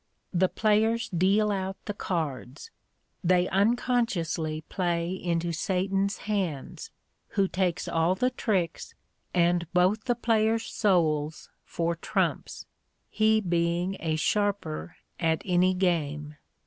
The players deal out the cards. They unconsciously play into Satan's hands, who takes all the tricks, and both the players' souls for trumps he being a sharper at any game.